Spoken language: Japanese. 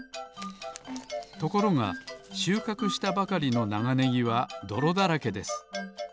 ところがしゅうかくしたばかりのながねぎはどろだらけです。